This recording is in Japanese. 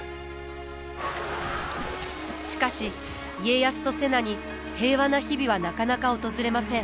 しかし家康と瀬名に平和な日々はなかなか訪れません。